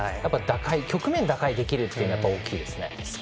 局面を打開できるのは大きいです。